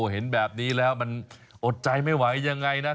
เห็นแบบนี้แล้วมันอดใจไม่ไหวยังไงนะ